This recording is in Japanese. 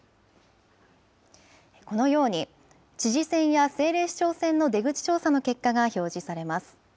このように、知事選や政令市長選の出口調査の結果が表示されます。